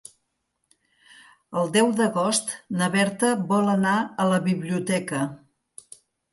El deu d'agost na Berta vol anar a la biblioteca.